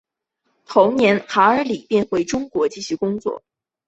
同年韩尔礼便回到中国继续工作。